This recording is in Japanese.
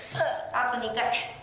あと２回。